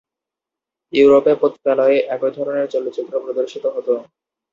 ইউরোপে, পতিতালয়ে একই ধরনের চলচ্চিত্র প্রদর্শিত হত।